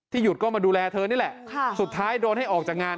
หยุดก็มาดูแลเธอนี่แหละสุดท้ายโดนให้ออกจากงาน